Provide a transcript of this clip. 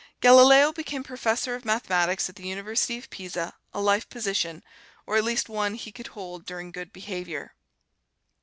Galileo became Professor of Mathematics at the University of Pisa, a life position, or at least one he could hold during good behavior.